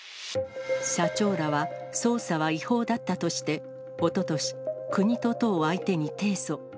社長らは捜査は違法だったとして、おととし、国と都を相手に提訴。